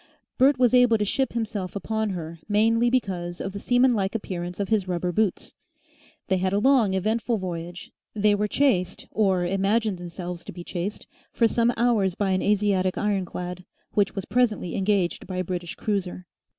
Bert was able to ship himself upon her mainly because of the seamanlike appearance of his rubber boots. They had a long, eventful voyage; they were chased, or imagined themselves to be chased, for some hours by an Asiatic ironclad, which was presently engaged by a British cruiser.